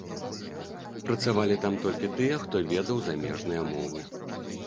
Працавалі там толькі тыя, хто ведаў замежныя мовы.